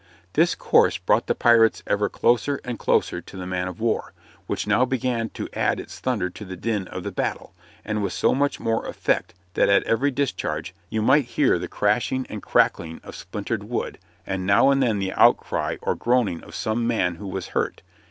This course brought the pirates ever closer and closer to the man of war, which now began to add its thunder to the din of the battle, and with so much more effect that at every discharge you might hear the crashing and crackling of splintered wood, and now and then the outcry or groaning of some man who was hurt.